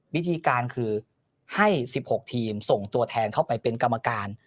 วิธีการคือให้๑๖ทีมส่งตัวแทนเข้าไปเป็นกรรมการ